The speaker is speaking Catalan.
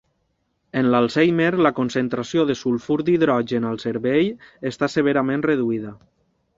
En l'Alzheimer la concentració de sulfur d'hidrogen al cervell està severament reduïda.